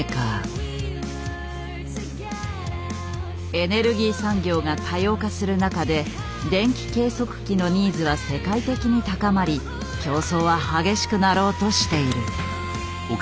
エネルギー産業が多様化する中で電気計測器のニーズは世界的に高まり競争は激しくなろうとしている。